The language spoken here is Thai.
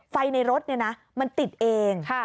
ไฟในรถนี่นะมันติดเอง